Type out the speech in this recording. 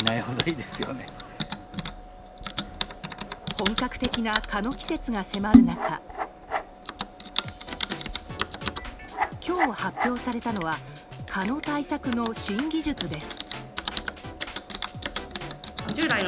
本格的な蚊の季節が迫る中今日、発表されたのは蚊の対策の新技術です。